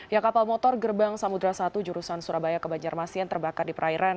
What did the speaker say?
ya kapal motor gerbang samudera satu jurusan surabaya ke banjarmasin terbakar di perairan